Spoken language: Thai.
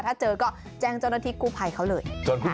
ถ้าเจอก็แจ้งเจ้าหน้าที่กู้ภัยเขาเลย